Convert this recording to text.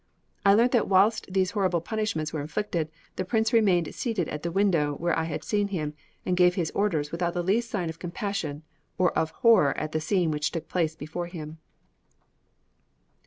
I learned that whilst these horrible punishments were inflicted, the prince remained seated at the window where I had seen him, and gave his orders without the least sign of compassion or of horror at the scene which took place before him."